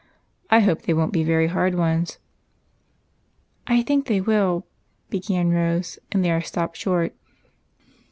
I hope they won't be very hard ones." " I think they will," began Rose, and there stopped short.